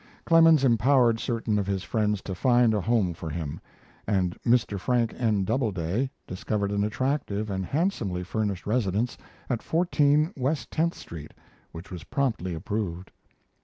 Clemens empowered certain of his friends to find a home for him, and Mr. Frank N. Doubleday discovered an attractive and handsomely furnished residence at 14 West Tenth Street, which was promptly approved.